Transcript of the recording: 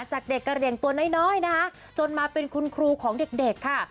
จากเด็กกะเหลี่ยงตัวน้อยนะคะจนมาเป็นคุณครูของเด็กค่ะ